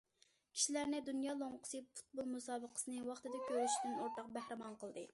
كىشىلەرنى دۇنيا لوڭقىسى پۇتبول مۇسابىقىسىنى ۋاقتىدا كۆرۈشتىن ئورتاق بەھرىمەن قىلدى.